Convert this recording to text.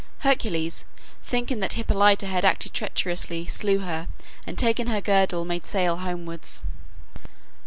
Hercules, thinking that Hippolyta had acted treacherously, slew her, and taking her girdle made sail homewards.